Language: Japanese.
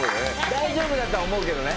大丈夫だとは思うけどね。